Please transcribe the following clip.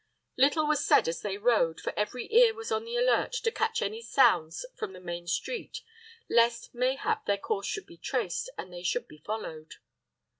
Little was said as they rode, for every ear was on the alert to catch any sounds from the main street, lest, mayhap, their course should be traced, and they should be followed.